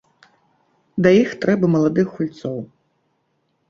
Да іх трэба маладых гульцоў.